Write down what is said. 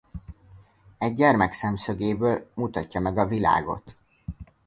Egy gyermek szemszögéből mutatja meg a világot.